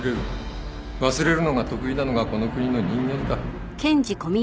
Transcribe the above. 忘れるのが得意なのがこの国の人間だ。